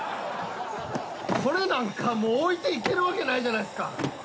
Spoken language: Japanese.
これなんか置いていけるわけないじゃないすか。